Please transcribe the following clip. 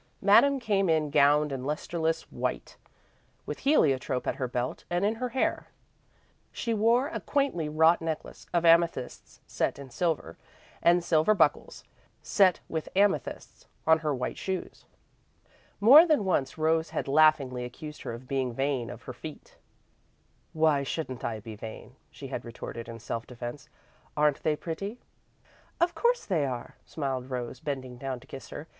Madame came in gowned in lustreless white, with heliotrope at her belt and in her hair. She wore a quaintly wrought necklace of amethysts set in silver, and silver buckles, set with amethysts, on her white shoes. More than once Rose had laughingly accused her of being vain of her feet. "Why shouldn't I be vain?" she had retorted, in self defence. "Aren't they pretty?" "Of course they are," smiled Rose, bending down to kiss her.